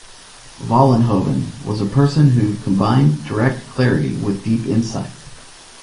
Vollenhoven was a person who combined direct clarity with deep insight.